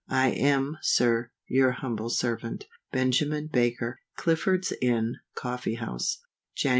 I am, SIR, your humble servant, BENJAMIN BAKER. Clifford's Inn Coffee house, Jan.